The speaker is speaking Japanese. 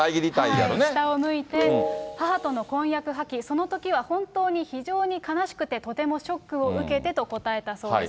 下を向いて、母との婚約破棄、そのときは本当に非常に悲しくて、とてもショックを受けてと答えたそうです。